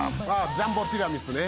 ジャンボティラミスね。